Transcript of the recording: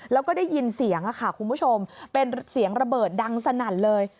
แล้วก็ได้ยินเสียงค่ะคุณผู้ชมเป็นเสียงระเบิดดังสนั่นเลย